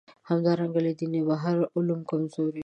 همدارنګه له دینه بهر علوم کمزوري وو.